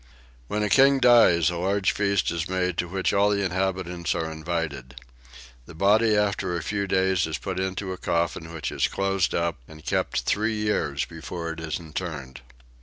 When a king dies a large feast is made to which all the inhabitants are invited. The body after a few days is put into a coffin which is closed up and kept three years before it is interred.